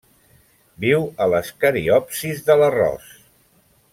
Viu a les cariopsis de l'arròs.